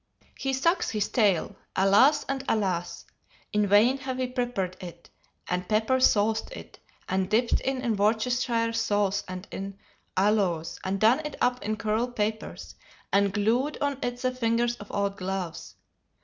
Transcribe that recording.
He sucks his tail, alas, and alas! In vain have we peppered it, and pepper sauced it, and dipped it in Worcestershire sauce and in aloes, and done it up in curl papers, and glued on it the fingers of old gloves.